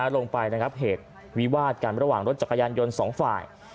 ลงไปนะครับเหตุวิวาดกันระหว่างรถจักรยานยนต์สองฝ่าย